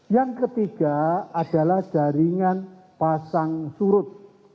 yang ketiga adalah jaringan pasang surut